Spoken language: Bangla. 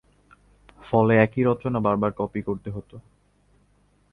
ফলে একই রচনা বারবার কপি করতে হতো।